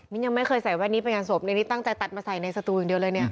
นี่ยังไม่เคยใส่แว่นนี้ไปงานศพในนี้ตั้งใจตัดมาใส่ในสตูอย่างเดียวเลยเนี่ย